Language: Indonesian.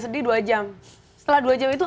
sedih dua jam setelah dua jam itu